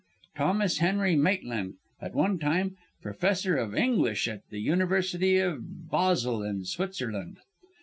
Thomas Henry Maitland, at one time Professor of English at the University of Basle in Switzerland.